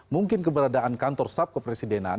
mungkin keberadaan kantor subkepresidenan